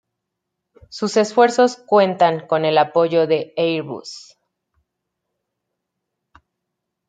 Sus esfuerzos cuentan con el apoyo de Airbus.